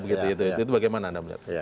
itu bagaimana anda melihat